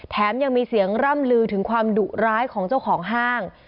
ยังมีเสียงร่ำลือถึงความดุร้ายของเจ้าของห้าง